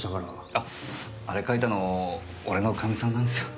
あっあれ書いたの俺のカミさんなんですよ。